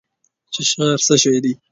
چې شعر څه شی دی؟